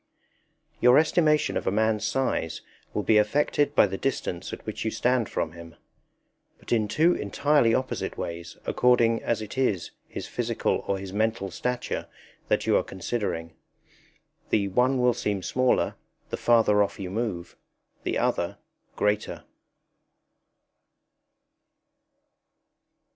Your estimation of a man's size will be affected by the distance at which you stand from him, but in two entirely opposite ways according as it is his physical or his mental stature that you are considering. The one will seem smaller, the farther off you move; the other, greater.